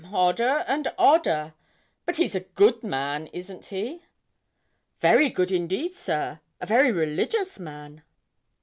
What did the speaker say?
'H'm? Odder and odder! But he's a good man, isn't he?' 'Very good, indeed, sir a very religious man.'